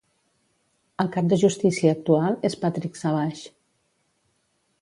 El cap de justícia actual és Patrick Savage.